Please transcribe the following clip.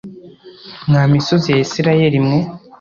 mwa misozi ya Isirayeli mwe